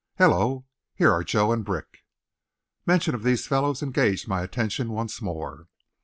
Hello, here are Joe and Brick!" Mention of these fellows engaged my attention once more.